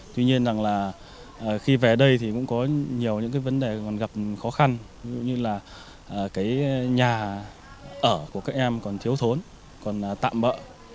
tuy nhiên là khi về đây thì cũng có nhiều những vấn đề gặp khó khăn ví dụ như là nhà ở của các em còn thiếu thốn còn tạm bợ